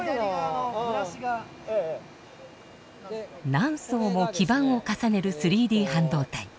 何層も基板を重ねる３Ｄ半導体。